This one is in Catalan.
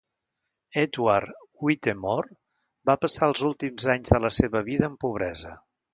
Edward Whittemore va passar els últims anys de la seva vida en pobresa.